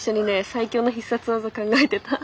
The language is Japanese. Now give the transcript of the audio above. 最強の必殺技考えてた。